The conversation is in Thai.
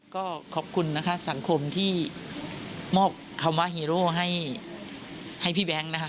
ก็ขอบคุณนะคะสังคมที่มอบคำว่าฮีโร่ให้พี่แบงค์นะคะ